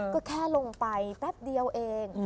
ก็แค่ลงไปแป๊บเดียวเอง